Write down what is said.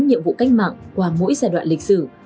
nhiệm vụ cách mạng qua mỗi giai đoạn lịch sử